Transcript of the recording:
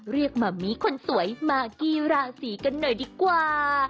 เรียกหม่ามิคนสวยมากี้ราศีกันหน่อยดีกว่า